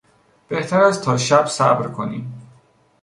بهتر است تا شب صبر کنیم.